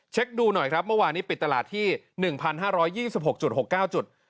ดูหน่อยครับเมื่อวานนี้ปิดตลาดที่๑๕๒๖๖๙จุด